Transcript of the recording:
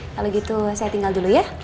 kalau gitu saya tinggal dulu ya